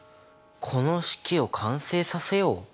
この式を完成させよう？